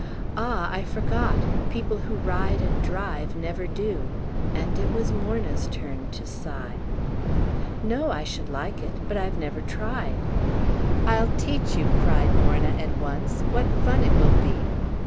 "Ah, I forgot! People who ride and drive never do." And it was Morna's turn to sigh. "No, I should like it; but I have never tried." "I'll teach you!" cried Morna at once. "What fun it will be!"